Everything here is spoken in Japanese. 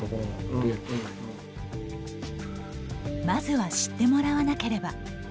まずは知ってもらわなければ。